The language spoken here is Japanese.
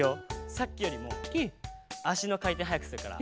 さっきよりもあしのかいてんはやくするから。